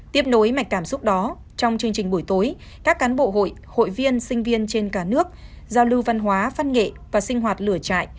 tiếp nối mạch cảm xúc đó trong chương trình buổi tối các cán bộ hội hội viên sinh viên trên cả nước giao lưu văn hóa văn nghệ và sinh hoạt lửa trại